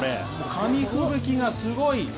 紙吹雪がすごい。